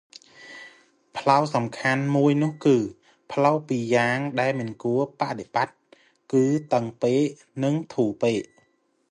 សេចក្តីសំខាន់មួយនោះគឺ ផ្លូវពីរយ៉ាងដែលមិនគួរបដិបត្តិគឺ តឹងពេក និង ធូរពេក។